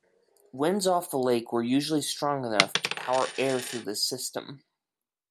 Winds off the lake were usually strong enough to power air through this system.